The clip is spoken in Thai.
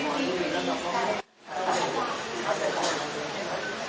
สวัสดีครับสวัสดีครับ